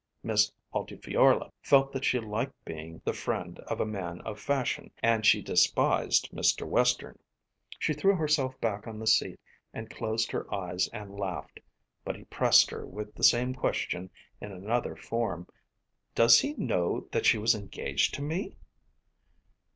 Miss Altifiorla felt that she liked being the friend of a man of fashion, and she despised Mr. Western. She threw herself back on the seat and closed her eyes and laughed. But he pressed her with the same question in another form. "Does he know that she was engaged to me?"